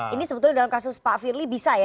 ini sebetulnya dalam kasus pak firly bisa ya